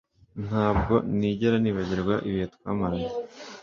Ntabwo nigera nibagirwa ibihe twamaranye